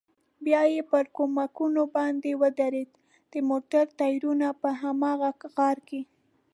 بیا پر کومکونو باندې ودرېد، د موټر ټایرونه په هماغه غار کې.